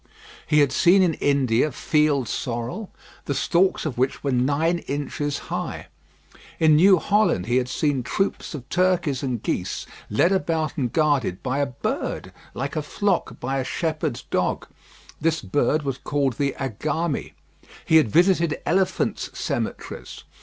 He had seen in India, field sorrel, the stalks of which were nine inches high. In New Holland he had seen troops of turkeys and geese led about and guarded by a bird, like a flock by a shepherd's dog; this bird was called the Agami. He had visited elephants' cemeteries.